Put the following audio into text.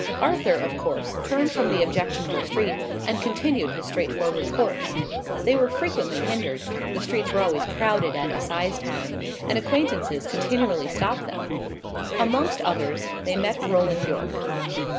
Arthur, of course, turned from the objectionable street, and continued his straightforward course. They were frequently hindered; the streets were always crowded at assize time, and acquaintances continually stopped them. Amongst others, they met Roland Yorke.